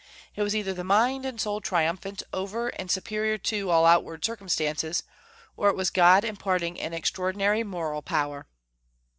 It was either the mind and soul triumphant over and superior to all outward circumstances, or it was God imparting an extraordinary moral power.